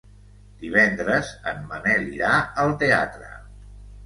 Divendres en Manel irà al teatre.